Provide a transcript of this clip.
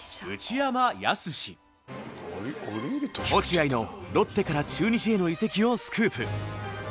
落合のロッテから中日への移籍をスクープ。